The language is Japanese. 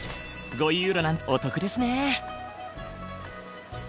５ユーロなんてお得ですね。